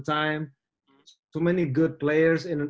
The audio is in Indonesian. banyak pemain yang bagus